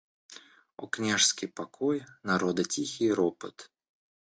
О княжеский покой, народа тихий ропот.